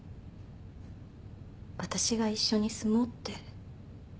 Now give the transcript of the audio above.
私が一緒に住もうって。